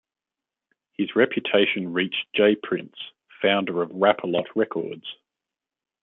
His reputation reached J Prince, founder of Rap-A-Lot Records.